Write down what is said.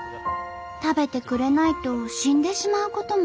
食べてくれないと死んでしまうことも。